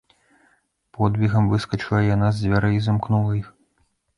Подбегам выскачыла яна з дзвярэй і замкнула іх.